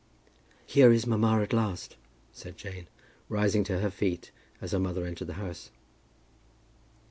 "Here is mamma, at last," said Jane, rising to her feet as her mother entered the house.